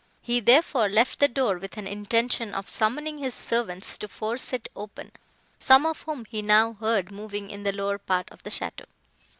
He, therefore, left the door with an intention of summoning his servants to force it open, some of whom he now heard moving in the lower part of the château.